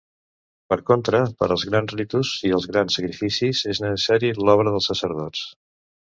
Per contra, per als grans ritus i els grans sacrificis és necessari l'obra dels sacerdots.